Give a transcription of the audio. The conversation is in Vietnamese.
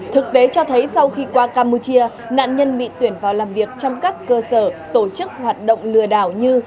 thực tế cho thấy sau khi qua campuchia nạn nhân bị tuyển vào làm việc trong các cơ sở tổ chức hoạt động lừa đảo như